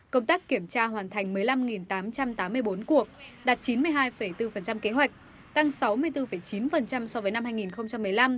công tác kiểm tra hoàn thành một mươi năm tám trăm tám mươi bốn cuộc đạt chín mươi hai bốn kế hoạch tăng sáu mươi bốn chín so với năm hai nghìn một mươi năm